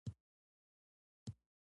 سېلاب هجا هغه توري دي چې په ادا کولو سره.